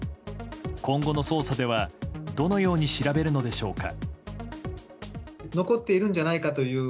今後の捜査ではどのように調べるのでしょうか。